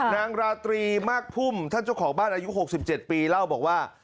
ราตรีมากพุ่มท่านเจ้าของบ้านอายุ๖๗ปีเล่าบอกว่า